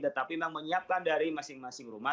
tetapi memang menyiapkan dari masing masing rumah